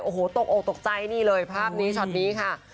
โอ้โหตกออกตกใจนี่เลยภาพนี้ช็อตนี้ค่ะ